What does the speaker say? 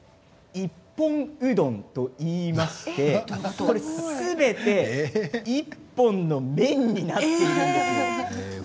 一本うどんといいましてすべて１本の麺になっています。